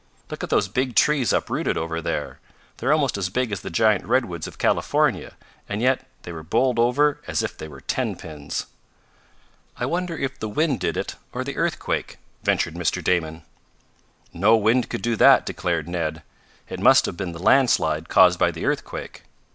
Look at those big trees uprooted over there. They're almost as big as the giant redwoods of California, and yet they were bowled over as if they were tenpins." "I wonder if the wind did it or the earthquake," ventured Mr. Damon. "No wind could do that," declared Ned. "It must have been the landslide caused by the earthquake."